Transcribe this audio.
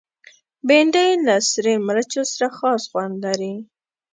بېنډۍ له سرې مرچو سره خاص خوند لري